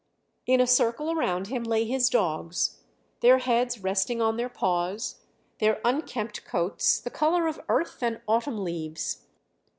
In a circle around him lay his dogs, their heads resting on their paws, their unkempt coats the colour of earth and autumn leaves.